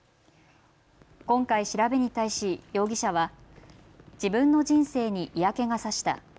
今回、調べに対し容疑者は自分の人生に嫌気がさした。